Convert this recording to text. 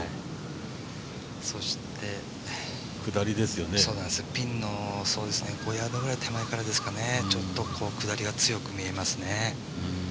そして、ピンの５ヤードぐらい手前からちょっとこの下りが強く見えますね。